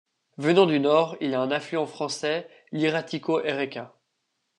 Venant du nord, il a un affluent français, l'Iratiko erreka.